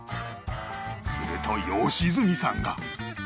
すると良純さんが